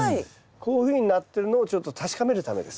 こういうふうになってるのをちょっと確かめるためです。